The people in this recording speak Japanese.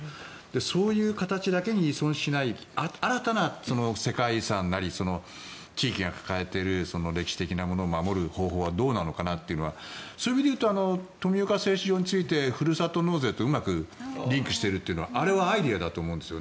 そういう形だけに依存しない新たな世界遺産なり地域が抱えている歴史的なものを守る方法はどうなのかなというのはそういう意味でいうと富岡製糸場についてふるさと納税とうまくリンクしてるというのはあれはアイデアだと思うんです。